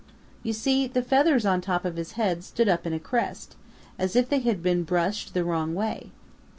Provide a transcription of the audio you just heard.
You see, the feathers on top of his head stood up in a crest, as if they had been brushed the wrong way.